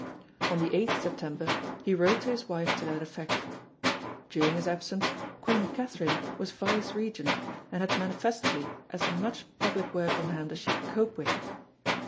On the 8 September he wrote to his wife to that effect. During his absence Queen Catherine was vicegerent and had manifestly as much public work on hand as she could cope with.